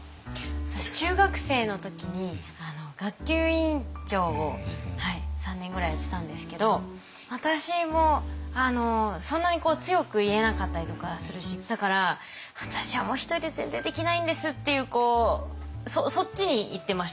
私中学生の時に学級委員長を３年ぐらいやってたんですけど私もそんなに強く言えなかったりとかするしだから「私はもう一人じゃ全然できないんです」っていうそっちにいってました。